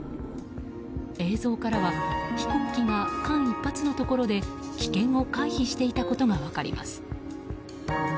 映像からは飛行機が間一髪のところで危険を回避していたことが分かります。